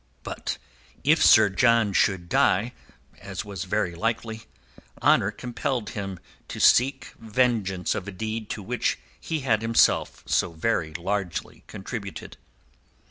But if Sir John should die—as was very likely—honour compelled him to seek vengeance of a deed to which he had himself so very largely contributed.